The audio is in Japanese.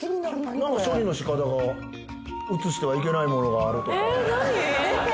これ処理のしかたが映してはいけないものがあるとかえっ何？